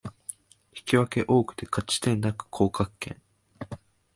引き分け多くて勝ち点少なく降格圏